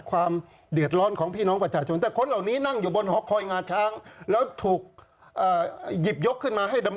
ว่าต้องการอะไร